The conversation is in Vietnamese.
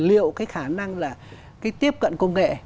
liệu cái khả năng là cái tiếp cận công nghệ